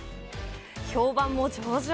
評判も上々。